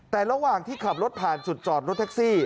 แต่ระหว่างที่ขับรถผ่านจุดจอดรถแท็กซี่